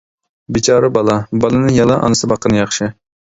بىچارە بالا. بالىنى يەنىلا ئانىسى باققىنى ياخشى!